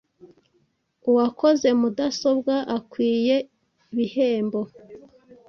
Uwakoze mudasobwa akwiye bihembo.